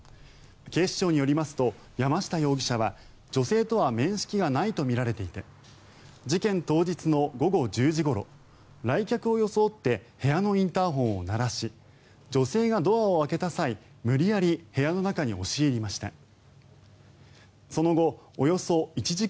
警視庁によりますと山下容疑者は女性とは面識がないとみられていて事件当日の午後１０時ごろ来客を装って部屋のインターホンを鳴らし女性がドアを開けた際無理やり部屋の中に押し入りました。